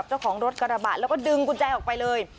เจ้าของรถกระบะแล้วก็ดึงกุญแจออกไปเลย